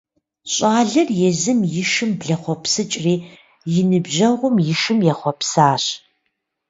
Щӏалэр езым и шым блэхъуэпсыкӏри и ныбжьэгъум и шым ехъуэпсащ.